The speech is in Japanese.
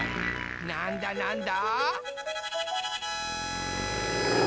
なんだなんだ？